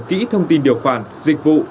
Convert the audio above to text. kỹ thông tin điều khoản dịch vụ